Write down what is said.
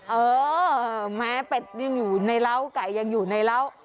เออแม้เป็ดยังอยู่ในร้าวไก่ยังอยู่ในร้าว